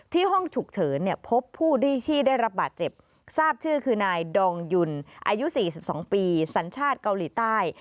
ห้องฉุกเฉินเนี่ยพบผู้ที่ได้รับบาดเจ็บทราบชื่อคือนายดองยุนอายุ๔๒ปีสัญชาติเกาหลีใต้